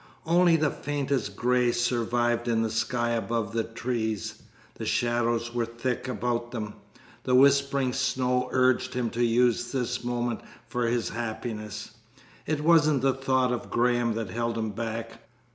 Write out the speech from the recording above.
Only the faintest gray survived in the sky above the trees. The shadows were thick about them. The whispering snow urged him to use this moment for his happiness. It wasn't the thought of Graham that held him back.